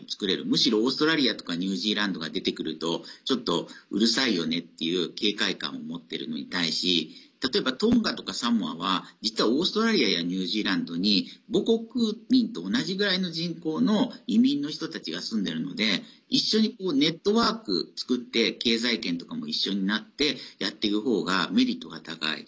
むしろ、オーストラリアとかニュージーランドが出てくるとちょっと、うるさいよねっていう警戒感を持っているのに対し例えば、トンガとかサモアは実はオーストラリアやニュージーランドに母国民と同じぐらいの人口の移民の人たちが住んでいるので一緒にネットワーク作って経済圏とかも一緒になってやっていくほうがメリットが高い。